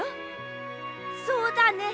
そうだね！